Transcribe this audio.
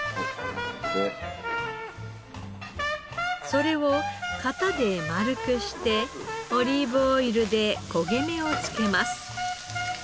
それを型で丸くしてオリーブオイルで焦げ目をつけます。